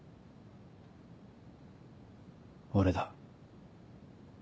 俺だ。